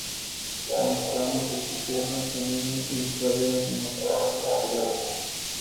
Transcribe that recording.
En los tramos de tierra Zanini y Pradera se mostraron algo superiores.